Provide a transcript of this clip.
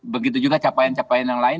begitu juga capaian capaian yang lain